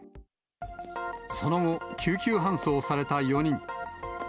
その後、救急搬送された４人。